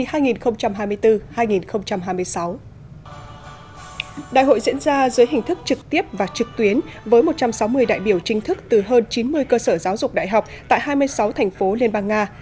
đại hội diễn ra dưới hình thức trực tiếp và trực tuyến với một trăm sáu mươi đại biểu chính thức từ hơn chín mươi cơ sở giáo dục đại học tại hai mươi sáu thành phố liên bang nga